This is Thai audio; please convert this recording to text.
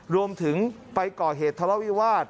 รวมถึงไปก่อเหตุธรรมวิวาส